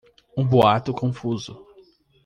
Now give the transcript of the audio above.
um boato confuso